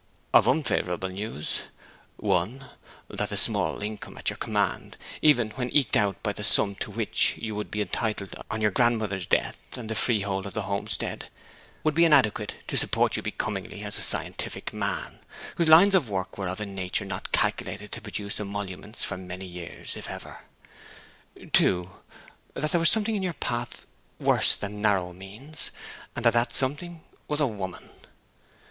'Of unfavourable news: '(1) That the small income at your command, even when eked out by the sum to which you would be entitled on your grandmother's death and the freehold of the homestead, would be inadequate to support you becomingly as a scientific man, whose lines of work were of a nature not calculated to produce emoluments for many years, if ever. '(2) That there was something in your path worse than narrow means, and that that something was a woman.